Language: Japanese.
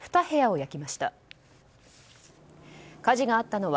２部屋を焼きました。